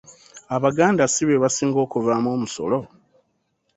“Abaganda si bebasinga okuvaamu omusolo?